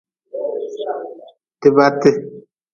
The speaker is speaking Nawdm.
Tibate.